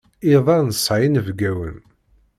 Iḍ-a nesεa inebgawen.